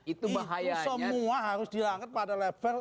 itu semua harus diangkat pada level